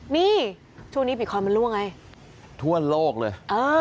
นี่ช่วงนี้บิตคอนมันรั่วไงทั่วโลกเลย